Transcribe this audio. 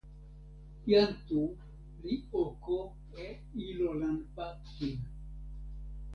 jan Tu li oko e ilo nanpa kin.